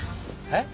はい？